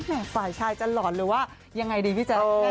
ฝ่ายชายจะหลอนหรือว่ายังไงดีพี่แจ๊ค